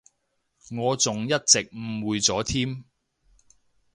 我仲一直誤會咗添